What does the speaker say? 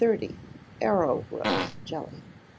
Arrowroot Jelly.